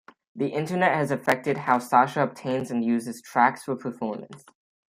The Internet has affected how Sasha obtains and uses tracks for performance.